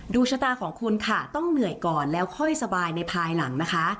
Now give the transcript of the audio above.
ชะตาของคุณค่ะต้องเหนื่อยก่อนแล้วค่อยสบายในภายหลังนะคะ